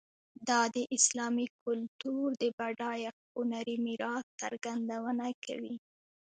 دا د اسلامي کلتور د بډایه هنري میراث څرګندونه کوي.